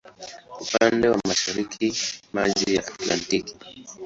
Upande wa mashariki maji ya Atlantiki.